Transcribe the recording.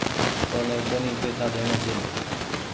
اوني ڪونيٚ پئيسا ڏيڻي ڇي۔